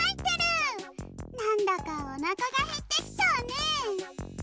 なんだかおなかがへってきちゃうね。